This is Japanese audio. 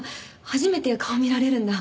初めて顔見られるんだ。